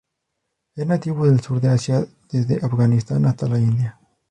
Es nativo del sur de Asia desde Afganistán hasta la India.